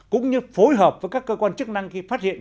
cũng như phối hợp với các cơ quan chức năng khi phát hiện